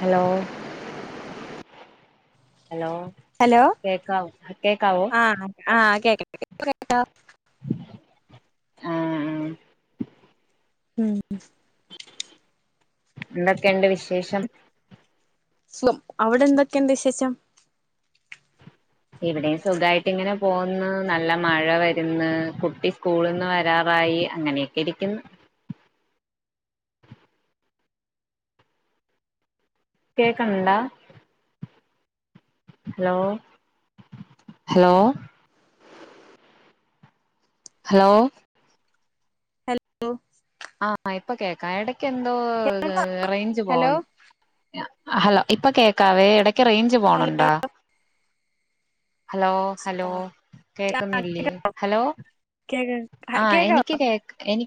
Hello? Hello? Hello? കേക്കാവോ കേക്കാവോ ആഹ് ആഹ് കേക്ക ണ്ട് കേട്ടോ? ആഹ് ഹേ [unintelligible] എന്തൊക്കെണ്ട് വിശേഷം? സുഖം. അവിടെ എന്തൊക്കെണ്ട് വിശേഷം? ഇവിടെയും സുഖയിട്ട് ഇങ്ങനെ പോന്ന്. നല്ല മഴ വര്ന്ന്, കുട്ടി സ്കൂളിന്ന് വരാറായി. അങ്ങനെയൊക്കെ ഇരിക്ക്ന്ന് കേക്ണ് ണ്ടോ? Hello? Hello? Hello? Hello ആഹ് മയാ പ്പൊ കേക്കാം. ഇടക്ക് എന്തോ റേയ്ഞ്ച് ഹലോ പോവുന്ന്. ഹലോ? ഇപ്പൊ കേക്കാവേ ഇടക്ക് റേഞ്ച് പോണ് ഹലോ ണ്ടോ? ഹലോ? ഹലോ? കേക്കുന്നില്ലേ? ഹലോ? ആഹ് കേക്കാവോ എനിക്ക് കേക്ക് എനി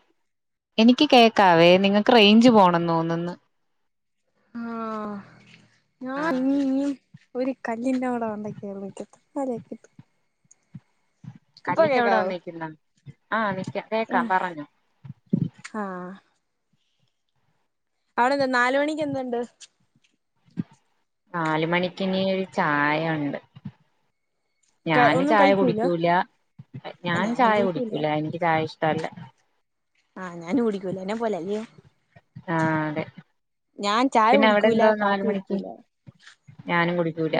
എനിക്ക് കേൾക്കാവേ ഏതെങ്കിലും കാര്യമാണ് റേഞ്ച് പോണന്ന് തോന്നന്ന് ആഹ് [unintelligible] ഒരു കല്ലിന്റെ അവിടെ വണ്ട കേൾക്കാല കിട്ട് കല്ലിന്റെ അവിടെ കേക്കാവോ വന്നിക്കുന്ന ആഹ നിക്ക കേക്കാം പറഞ്ഞോ ആഹ അവടെന്താ നാല മണിക്ക് എന്തുണ്ട് നാല് മണിക്കിനി ഒരു ചായ ഉണ്ട് ഞാന് ഒന്നും ചായ കഴിക്കൂല കുടിക്കൂല ആഹ് ഞാൻ ഞാനും ചായ കുടിക്കൂല എനിക്ക് ചായ ഇഷ്ട തല്ലെ ആഹ് ഞാൻ കുടിക്കൂല ന്നെ പോലല്ലെ ആഹ അതെ ഞാൻ ചായ പിന്നെ അവിടെ കുടിക്കൂല എന്തോ നാല് കാപ്പി മണിക്ക് കുടിക്കൂല ഞാനും കുടിക്കൂല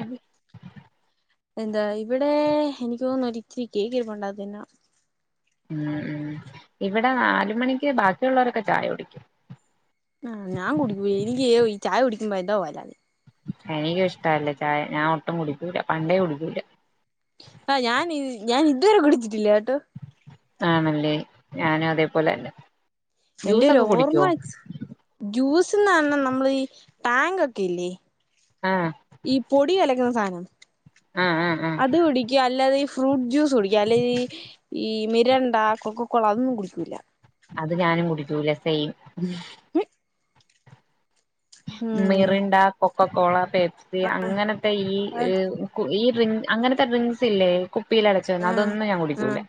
എന്താ ഇവിടെ എനിക്ക് തോന്നുന്നു ഒത്തിരി കേക്കിരുപ്പണ്ട് ഉം ഉ ഇവിടെ നാല് മണിക്ക് ബാക്കിയുള്ളവരൊക്കെ ചായ കുടിക്കും ആ ഞാൻ കുടികുല എനിക്ക് ഈ ചായ കുടിക്കുമ്പോ എതാ പോലെ ആണ് എനിക്കുംഇഷ്ടല്ലേ ചായ ഞാൻ ഒട്ടും കുടിക്കൂല്ല പണ്ടേ കുടിക്കൂല ആഹ് ഞാൻ ഞാൻ ഇതുവരെ കുടിച്ചിട്ടില്ലേട്ടോ ആണല്ലേ ഞാനും അതേപോലെതന്നെ ന്റെ ഒരു ഓർമ്മ വെച്ച് ജ്യൂസ്ന്ന് അവ പറ നമ്മൾ ഈ ടാങ്ക് ഒക്കെ ഇല്ലേ ആഹ് ഈ പൊടി കലക്കുന്ന സാധനം ആഹ് ആഹ് ആഹ് അത് കുടിക്ക അല്ലാ ഈ ഫ്രൂട്ട് ജ്യൂസ് കുടിക്കും അല്ലെ ഈ മിരണ്ട കൊക്കക്കോള അതൊന്നും കുടിക്കൂല്ല അത് ഞാനും കുടിക്കൂല സെയിം ഉം മിറിണ്ട കൊക്കക്കോള പെപ്സി അങ്ങനത്തെ അത് ഈ ഡ്രിങ്ക് അങ്ങനത്തെ ഈഡ്രിംഗ്സ് ഇല്ലേ കുപ്പിയിൽ അടച്ചു ആ വന്ന അതൊന്നും ഞാൻ ആ കുടിക്കൂല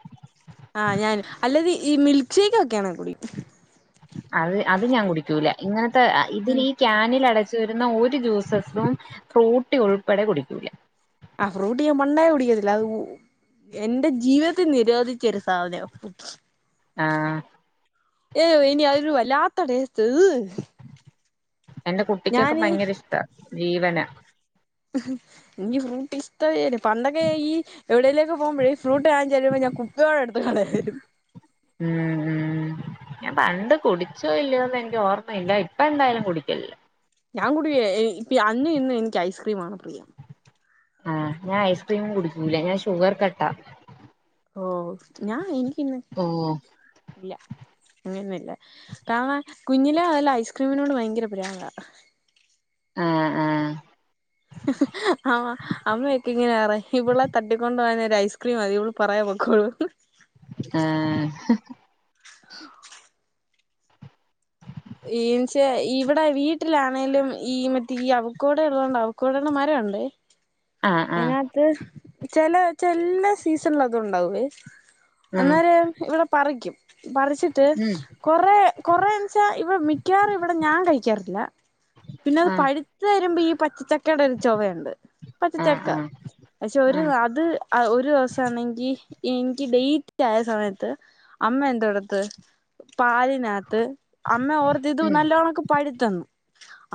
ആ ഞാൻ അല്ലത് ഈ മിൽക്ക് ഷേക്ക് ഒക്കെയാണെങ്കിൽ കുടിക്കും അത് അത് ഞാൻ കുടിക്കൂല ഇങ്ങനത്തെ ഇതിലി ക്യാനിൽ അടച്ചു വരുന്ന ഒരു ജ്യൂസസും ഫ്രൂട്ടി ഉൾപ്പെടെ കുടിക്കൂല ആ ഫ്രൂട്ടി ഞാൻ പണ്ടേ കുടിക്കത്തില്ല അത് ഉ എന്റെ ജീവിതത്തിൽ നിരോധിച്ച ഒരു സാധനാ ആഹ ഏോ ഇനി അതൊരു വല്ലാത്ത ടേസ്റ്റ്ത് എന്റെ കുട്ടിക്കൊക്കെ ഭയങ്കര ഇഷ്ട ജീവനാ ഹ്ഹേ ഇനി ഫ്രൂട്ടി ഇ പണ്ടൊക്കെ ഈ എവിടെലും പോകുമ്പഴേ ഇ ഫ്രൂട്ടി വാങ്ങിച്ച്തരുബോ ഞാൻ കുപ്പിയോടെടുത്ത് കളയും ഉം ഉം ഞാൻ പണ്ട് കുടിച്ചോ ഇല്ലയോന്നു എനിക്ക് ഓർമ്മയില്ല ഇപ്പ എന്തായാലും കുടിക്കലില്ല ഞാൻ കൂടി കായില്ലാ ഇപ്പ അന്നും ഇന്നും എനിക്ക് ഐസ്ക്രീം ആണ് പ്രിയം ആഹ ഞാൻ ഐസ്ക്രീം കുടിക്കൂല ഞാൻ ഷുഗർ കട്ടാ ഓ ഞാ എനിക്കിന്ന് ഓ ഇല്ല അങ്ങനെയന്നല്ലേ കാരണാ കുഞ്ഞിലെ നല്ല ഐസ്ക്രീമിനോട് ഭയങ്കര പ്രാന്താ ആആ ഹഹ ആ അമ്മയൊക്കെ ഇങ്ങനെപറയും ഇവിളെ തട്ടിക്കൊണ്ട് പോവാൻ ഒരു ഐസ്ക്രീം മതി ഇവള് പറയാൻ പൊക്കോളുന്ന് ആഹഹെ നിച്ചേ ഇവിടെ വീട്ടിലാണേങ്കലും ഈ മറ്റേ ഈ അവക്കൂടെ ഉള്ളതോണ്ടാവും കൂടണ മരംണ്ട് ആഹ് ആഹ് അതിനകത്ത് ചെില ചെല്ലസീസണില അത് ണ്ടാവോയ് ഉം അന്നേര ഇവിടെ പറിക്കും പറിച്ചിട്ട് ഉം കൊറെ കൊറേ ആ മി ക്കവാറും ഇവിടെ ഞാൻ കഴിക്കാറില്ല പിന്നെത് ആഹ് പഴുത്ത വരുമ്പോ ഈ പച്ച കടയിൽ ഒരു ചൊുവുണ്ട് ആഹ് പച്ചച്ചക്ക ആഹ് പക്ഷെ ഒരു ആഹ് അത് അത് രു ദിവസ ആണെങ്കിൽ എനിക്ക് ഡേറ്റ ആയ സമയത്ത് അമ്മ എന്തോടത്ത് പാലിനകത്ത് അമ്മ ഓർത്തിത് ഉം നല്ലവണൊക്കെ പഠിത്തന്നു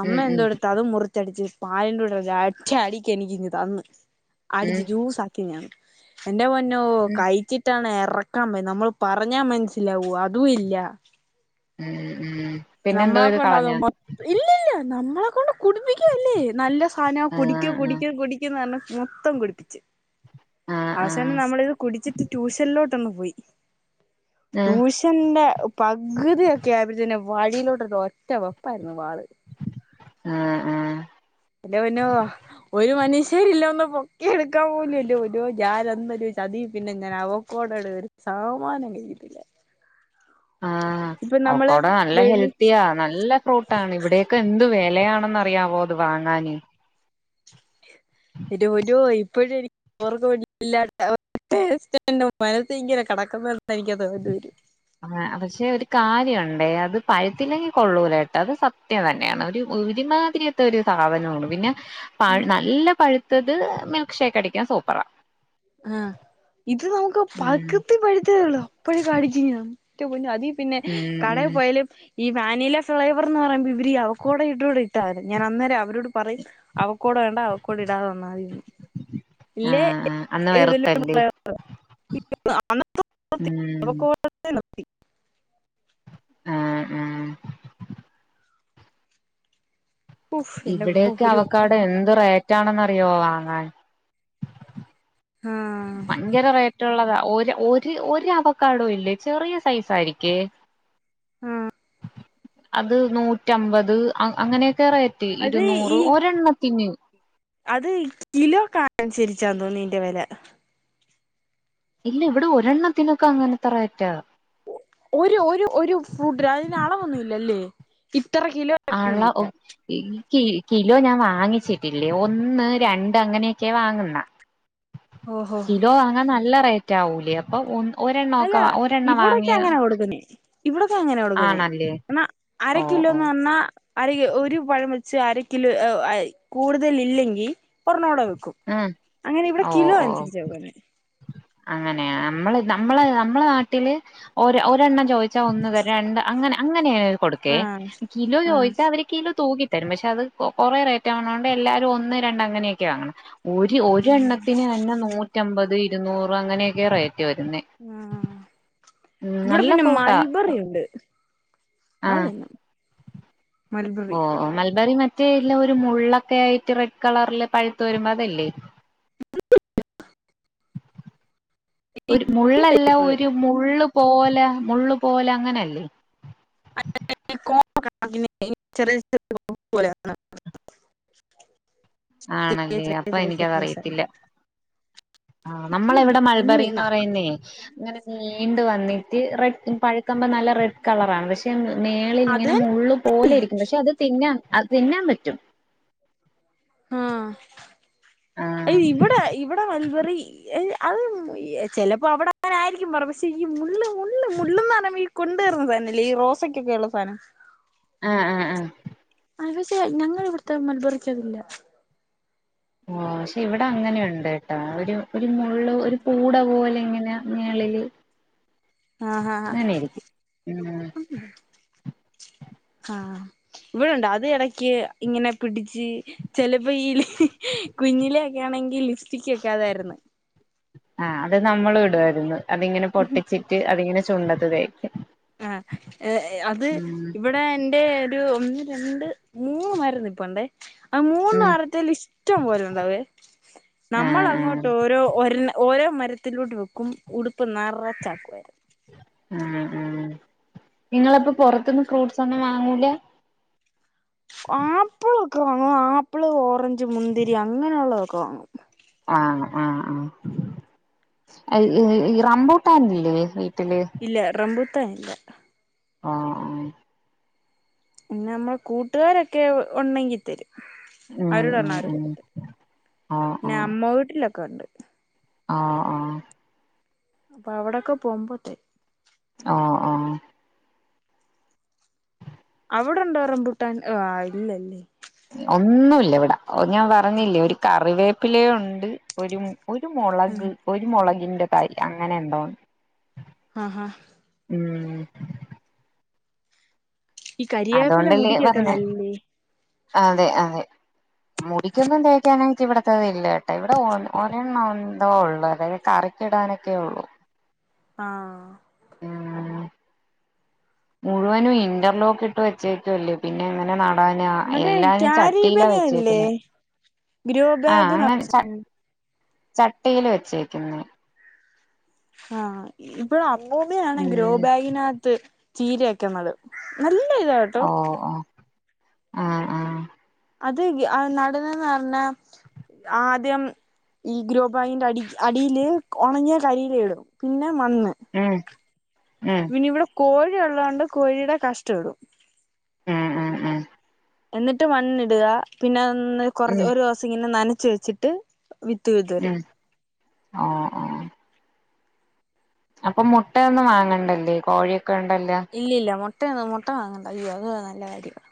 അമ്മ ഉം ഉം എന്തടു അതും മുറിച്ചടിച്ച് പാലിന്റെറെടെ അ അടിിക്ക എണി തന്ന് ഉം അടിച്ച് ജൂസ് എന്റെ പൊന്നോ ഉം ഉം കഴിച്ചി ട്ടാണ് ഇറക്കാൻ പ നമ്മൾ പറഞ്ഞാ മനസ്സിലാവൂ അതും ഇല്ല ഉം ഉം പിന്നെ എന്തോ ഇത് കളഞ്ഞ ഇല്ലല്ല നമ്മളെ കൊണ്ട് കുടിപ്പിക്കല്ലേ നല്ല സാധനമാ കുടിക്കും ആഹ് കുടിക്കും കുട െ മൊത്തം കുടിപ്പിച്ച് ആഹ് ആഹ് അവസാനം ആഹ് നമ്മളിത് കുടിച്ചിട്ട് ട്യൂഷനിലോട്ടൊന്ന് പോയി ട്യൂഷന്റെ പകുതിയക്കെ ക്യാബത്തിെ വഴിയിലോട്ടൊരു ഒറ്റ വെപ്പായിരുന്നു വാള് ആഹ് ആഹ് ന്റെ പൊന്നോ ഒരു മനുഷ്യരില്ല ഒന്ന് പൊക്കി എടുക്കാൻ പോല്ലും എന്റെ പൊന്നോ ഞാൻ അന്നോരു ചതി പിന്നെ ഞാൻ ആവോ കോടട് സാമാനം കഴിട്ടില്ല ആഹ് നമ്മള് അവക്കവിടെ നല്ല വെള്ളി ഹെൽത്തിയാ നല്ല ഫ്രൂട്ടാണ് ഇവിടെയൊക്കെ എന്ത് വിലയാണെന്ന്റിയാവോ അത് വാങ്ങാന് എന്റെ പൊന്നോ ഇപ്പഴനി ഓർക്ക പിടല്ലാറ്റന്റെ മനസ് ഇങ്ങനെ കടക്കുന്ന എനിക്ക് തോത് വരും ആ പക്ഷെ ഒരു കാര്യംുണ്ടേ അത് പഴുത്തില്ലെങ്കിൽ കൊള്ളൂല കേട്ട് അത് സത് സത്യം തന്നെയാണ് ഒരു ഉരിമാതിരിയത്തെ ഒരു സാധനമാണ് പിന്നെ പ ഉം നല്ല പഴുത്തത് മിൽക്ക് ഷേക്ക് അടിക്കൻ സൂപ്പറാ ആഹ് ഇത് നമുക്ക് ഉം പകതി പഴത്തേള്ളൂ അപ്പോഴും കാടിക്കറ്റഞ്ഞ ന്റെ പൊന്നോ അതി പിന്നെ ഉം കടയിൽ ഉം പോയല് ഈ വാനില ഫ്ലേവർ എന്ന് പറയുമ്പോ ഇവര് അവക്കൂടെ ഇട കൂടെ ഇട്ടാവും ഞാൻ അന്നേം അവരോട് പറയും അവക്കൂടെ വേണ്ട അവ കൂടെ ഇടാതെ തന്ന മതീന്ന് ഇല്ലേ ആഹ് ആഹ് അന്ന് ഏതില വെറുത്തല്ലേ ഉം [unintelligible] നത്തി ആഹ് ആഹ് ഉഫ് എന്റെ പൊന്നോ ഇവിടെക്കെ ഒരു അവക്കഡോ എന്ത് റേറ്റാണെന്ന് അറിയുവോ വാങ്ങാൻ ആഹ് ഭയങ്കര റേറ്റ്ള്ളതാ ഒരു ഒരു അവക്കാട ഇല്ലേ ചെറിയ സൈസ ആയിരിക്കേ അത് നൂറ്റമ്പത് അങ്ങനെയൊക്കെ റേറ്റ് അത് ഈ ഇരുന്നൂറ് ഒരെണ്ണത്തിന് അത് കിലോക്ക അനുസരിച്ചാ തോന്നീന്റെ വില ഇല്ല ഇവിടെ ഒരെണ്ണത്തിനൊക്കെ അങ്ങനത്തെ റയറ്റാ ഒരു ഒരു ഒരു ഫ്രൂട്ട് അതിന് അളവൊന്നുമല്ലല്ലേ ഇത്ര കിലോ എന്നൊന്നും ആള്ള ഇല്ല. കിലോ ഞാൻ വാങ്ങിച്ചിട്ടില്ലേ ഒന്ന് രണ്ട് അങ്ങനെയൊക്കെ വാങ്ങുന്ന ഓഹോ കിലോ അങ്ങൻ നല്ല റേറ്റ് ആവൂലേ അപ്പൊ ഒ ഒരെണ്ണ ഒക്കെ ഒരെണ്ണം വാങ്ങിയ കൊടുക്കുന്നെ ഇവിടൊക്കെ അങ്ങനെ കൊടുക്കുന്നേ ആണല്ലേ ക ഓ ഓ അരക്കില്ലോന്ന് പറഞ്ഞാ അര ഒരു പഴം വെച്ച് അരക്കിലോ കൂടുതൽ ഇല്ലെങ്കിൽ ഒരണ്ണോടെ വെക്കും ഉം അങ്ങനെ ഇവിടെ ഓ കിലോ ഓ അനുസരിച്ചോക്കെ അങ്ങനെയ നമ്മള് നമ്മള നമ്മളെ നാട്ടില് ഒരെണ്ണം ചോദിച്ച ച്ച ഒന്ന് വ രണ്ട് അങ്ങനെ അങ്ങനെയ കൊടുക്കേ ആഹ് കിലോ ആഹ് ചോദിച്ചാ അവര് കിലോ തൂക്കി തരും പക്ഷെ അത് കൊറേ റേറ്റ് ആവന്നോണ്ട് എല്ലാരും ഒന്ന് രണ്ട് അങ്ങനെയൊക്കെയാണ് ഒരു ഒരെണ്ണത്തിന് തന്നെ നൂറ്റമ്പത് ഇരുന്നൂറ് അങ്ങനെയൊക്കെ റേറ്റ് വരുന്നേ ആഹ് ഉം ഇവിടെ നല്ല പിന്നെ ഫ്രൂട്ടാ മൽബറിണ്ട് അതന്നെ ഓഹ് മൽബറി മറ്റേല്ല ഒരു മുള്ളൊക്കെ ആയിട്ട് റെഡ് കളറില് പഴുത്ത വരുമ്പോ അതല്ലേ ഒരു മുള്ളല്ല ടൈപ്പ് ഒരു മുള്ള് പോലെ മള്ള് പോല അങ്ങനെയല്ലേ [inaudible] ചെറിയ ചെറിയ [inaudible] ചെറിയ ആണല്ലേ ചെറിയ അപ്പൊ ചെറിയ ചെറിയ എനിക്കതറിയത്തില്ല സാധനം ആ നമ്മള ഇവിടെ ഇനി മൾബറിന്ന് പറയുന്നേ ങ്ങനെ നീണ്ട വന്നിട്ട് റെഡ് പഴുക്കമ്പം നല്ല റെഡ് കളറാണ് പക്ഷേ പക്ഷെ മേളിൽ അത് ഇങ്ങനെ മള്ള് പോലെ ആയിരിക്കും പക്ഷെ അത് തിന്നാൻ അത് തിന്നാൻ പറ്റും ആഹ് ആഹ് ഇവിടെ ഇവിടെ മൾബറി ല് അത് ചിലപ്പോ അവിടെ ന്നായിരിക്കും പറഞ്ഞ പക്ഷേ ഈ മുള്ള് മുള്ള ഈ കൊണ്ടുവരുന്ന സാനംല്ല ഈ റോസയ്ക്കൊക്കെയള്ള സാധനം ആഹ് ആഹ് ആഹ് അത് പക്ഷെ ഞങ്ങൾ ഇവിടുത്തെ മലബറിക്കതില്ല ഓ പക്ഷെ ഇവിടെ അങ്ങനെയുണ്ട് കേട്ടോ ഒരു ഒരു മുള്ള് ഒരു കൂട പോലെ ഇങ്ങനെ മേളില് ങ്ങന ഇരിക്കും ഉം ആഹ് ഇവിടെണ്ട് അത് ഇടക്ക് ഇങ്ങനെ പിടിച്ച് ചിലപ്പോ ഈ കുഞ്ഞിലെക്കെ ആണെങ്കിൽ ലിപ്സ്റ്റിക്ക ഒക്കെ അതായിരുന്നു ആഹ് അത് നമ്മൾ ഇടുമായിരുന്നു അതിങ്ങനെ പൊട്ടിച്ചിട്ട് അതിങ്ങനെ ചുണ്ടത് തേക്ക്യം ആഹ് ഏഹ് അത് ഇവിടെ എന്റെ ഒരു ഒന്ന് രണ്ട് മൂന്ന് മരം നിപ്പുണ്ടേ ആ മൂന്ന് ഉം മാരത്തിൽ ഇഷ്ടം പോലുണ്ടാവേ നമ്മൾ ആഹ് അങ്ങോട്ട് ആഹ് ഓരോ ഒരണ് ഓരോ മരത്തിലോട്ട് വെക്കും ഉടുപ്പ് നറച്ചാക്കുമായിരുന്നു ആഹ് ആഹ് നിങ്ങളപ്പ പുറത്ത്ന്ന് ഫ്രൂട്ട്സ് ഒന്നും വാങ്ങൂല ആപ്പിള ഒക്കെ വാങ്ങും ആപ്പിള് ഓറഞ്ച് മുന്തിരി അങ്ങനെള്ളതൊക്കെ വാങ്ങും ആഹ് ആഹ് ആഹ് റമ്പുട്ടാനില്ലേ വീട്ടില് ഇല്ല റമ്പുട്ടാനില്ല ആഹ് ആഹ് പിന്നെ നമ്മൾ കൂട്ടുകാരൊക്കെ ഉണ്ടെങ്കി തരും ഉം അവരോട് ഉം പറഞ്ഞ മതി ഉം ആഹ് പിന്നെ അമ്മ വീട്ടിലൊക്കെ ഉണ്ട് ആഹ് ആഹ് അപ്പൊ അവിടൊക്കെ പോകുമ്പോത്തേ ആഹ് ആഹ് അവിടെണ്ടൊ റംപൂട്ടാൻ ആ ഇല്ലല്ലേ ഒന്നുല്ല ഇവിടെ ഞാൻ പറഞ്ഞില്ലേ ഒരു കറിവേപ്പിലേ ഉണ്ട് ഒരു ഒരു ഉം മുളക് ഒരു മുളകിന്റെ തൈ അങ്ങനെ എന്തോന്ന് ആഹ് ആഹ് ഉം ഉം ഈ കരിയേപ്പില അതുകൊണ്ടല്ലേ മുടിക്കൊക്കെ പറഞ്ഞ നല്ലേ അതെ അതെ മുടിക്കൊന്നും തേക്കാനയിട്ട് ഇവിടത്തത് ഇല്ല കേട്ടോ ഇവിടെ ഒരെണ്ണം എന്തോ ഉള്ളൂ അതായത് കറി ഇടാനൊക്കെ ഉള്ളൂ ആഹ് ഉം മുഴുവനും ഇന്റർലോക്ക് ഇട്ട് വെച്ചേക്കുക്കല്ലേ പിന്നെ എങ്ങനെ ന്ന ന്നടനാ മറ്റേ എല്ലാരും ക്യാരി ചട്ടിയിലാ ബാഗ് ഇല്ലേ വെച്ചേക്കുന്നെ ഗ്രോ ബാഗ് നറാ [inaudible] ചട്ടിൽ വെച്ചേക്കുന്നെ ആഹ് ഇവിടെ അമ്മൂമാണ് ഗ്രോ ഉം ബാഗിനകത്ത് ചീരയൊക്കെ നടും നല്ല ഇതാണ് ഓ ഓ ആഹ് ആഹ് അത് നടന്നന്ന് പറഞ്ഞ ആദ്യം ഈ ഗ്രോ ബാഗിന്റെ അടി അടിൽ ഉണങ്ങിയ കരിയില ഇടും പിന്നെ മണ് ഉം ഉം ഇവിടെ കോഴി ഉള്ളോണ്ട് കോഴിയുടെ കാഷ്ടം ഇടും ഉം ഉം ഉം എന്നിട്ട് മണ്ണിടുക പിന്നെന്ന് കൊർ ഉം ഒരു ദിവസം ഇങ്ങനെ നനച്ച് വെച്ചിട്ട് വിത്ത് വിതറി ആഹ് ആഹ് അപ്പൊ മുട്ടൊന്നും വാങ്ങണ്ടല്ലേ കോഴിയൊക്കെ ഉണ്ടല്ലോ? ഇല്ലല്ല മുട്ടന്നും മുട്ട വാങ്ങണ്ട അയ്യോ അത് നല്ല കാര്യാണ്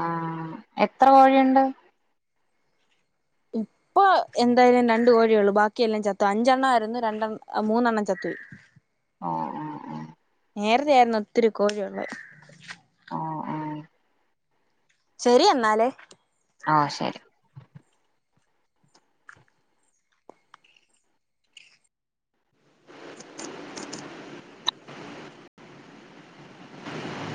ആഹ് എത്ര കോഴിയുണ്ട്? ഇപ്പൊ എന്തായാലും രണ്ട് കോഴിയെള്ളു ബാക്കിയെല്ലാം ചത്തു അഞ്ചെണ്ണായിരുന്നു രണ്ടെണ്ണം മൂന്നെണ്ണം ചത്തു പോയി [unintelligible] നേരെത്തെ ആയിരുന്നു ഒത്തിരി കോഴിയുള്ളെ ആഹ് ആഹ് ശെരി എന്നാല് ആഹ് ശെരി